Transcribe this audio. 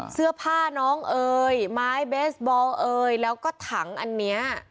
เสื้อผ้าน้องเอ๋ยไม้เบสบอลเอ่ยแล้วก็ถังอันเนี้ย